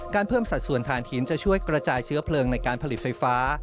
เพิ่มสัดส่วนฐานหินจะช่วยกระจายเชื้อเพลิงในการผลิตไฟฟ้า